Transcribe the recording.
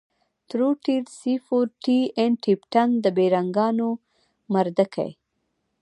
ټروټيل سي فور ټي ان ټي پټن د بېرنگانو مردکي.